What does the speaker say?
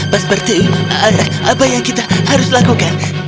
pastor patu apa yang kita harus lakukan